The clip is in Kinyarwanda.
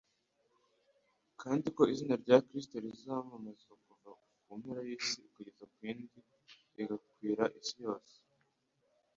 kandi ko izina rya Kristo rizamamazwa kuva ku mpera y'isi ukageza mu yindi rigakwira isi yose